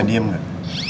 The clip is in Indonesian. bisa diem gak